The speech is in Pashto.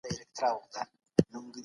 كــــوې پــــه نــــــه مــــــي ژړوې